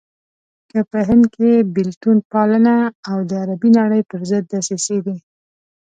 که په هند کې بېلتون پالنه او د عربي نړۍ پرضد دسيسې دي.